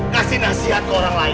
kasih nasihat ke orang lain